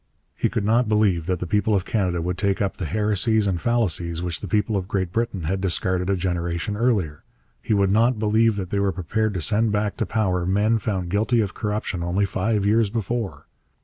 He could not believe that the people of Canada would take up the heresies and fallacies which the people of Great Britain had discarded a generation earlier. He would not believe that they were prepared to send back to power men found guilty of corruption only five years before.